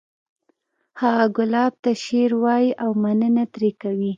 هغه ګلاب ته شعر وایی او مننه ترې کوي